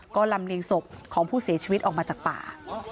ก็ลำเลียงศพของผู้เสียชีวิตออกมาจากป่า